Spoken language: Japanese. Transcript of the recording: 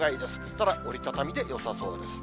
ただ折り畳みでよさそうです。